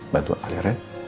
bantu alih ren